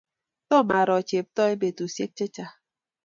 Tomaro Cheptoo eng' petusyek che chang'